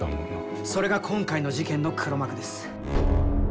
それが今回の事件の黒幕です。